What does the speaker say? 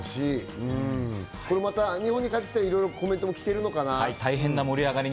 また日本に帰ってきたらいろいろコメントも聞けるのかな？